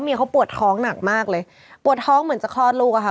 เขาปวดท้องหนักมากเลยปวดท้องเหมือนจะคลอดลูกอะค่ะ